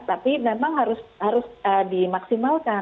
tapi memang harus dimaksimalkan